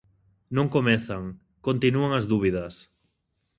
Non comezan; continúan as dúbidas.